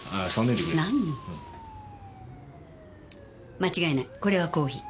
間違いないこれはコーヒー。